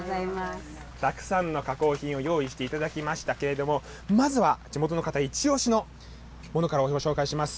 たくさんの加工品を用意していただきましたけれども、まずは地元の方、いち押しのものからご紹介します。